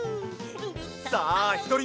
さあひとりめ！